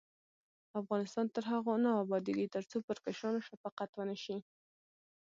افغانستان تر هغو نه ابادیږي، ترڅو پر کشرانو شفقت ونشي.